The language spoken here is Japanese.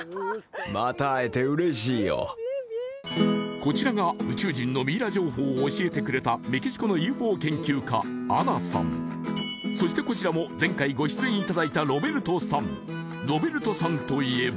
こちらが宇宙人のミイラ情報を教えてくれたメキシコのＵＦＯ研究家アナさんそしてこちらも前回ご出演いただいたロベルトさんロベルトさんといえば